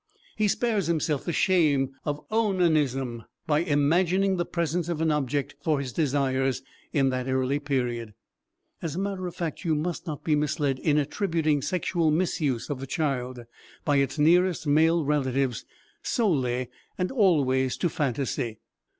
He spares himself the shame of onanism by imagining the presence of an object for his desires in that early period. As a matter of fact, you must not be misled in attributing sexual misuse of the child by its nearest male relatives solely and always to phantasy.